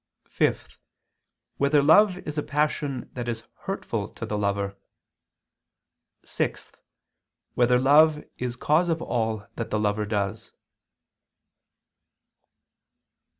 (5) Whether love is a passion that is hurtful to the lover? (6) Whether love is cause of all that the lover does?